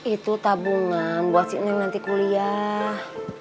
itu tabungan buat si enam nanti kuliah